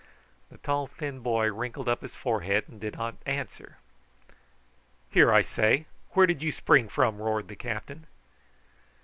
The tall thin boy wrinkled up his forehead, and did not answer. "Here, I say, where did you spring from?" roared the captain.